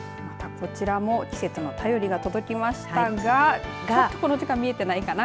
こちらも季節の便りが届きましたがちょっとこの時間見えてないかな。